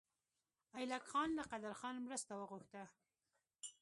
ایلک خان له قدرخان مرسته وغوښته.